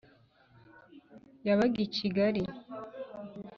yabaga i kigali,